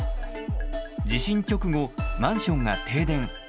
地震直後、マンションが停電。